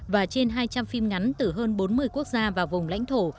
và trên hai trăm linh phim ngắn từ hơn bốn mươi quốc gia và vùng lãnh thổ